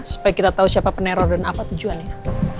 supaya kita tahu siapa peneror dan apa tujuannya